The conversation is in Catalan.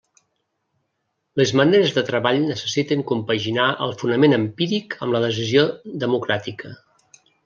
Les maneres de treball necessiten compaginar el fonament empíric amb la decisió democràtica.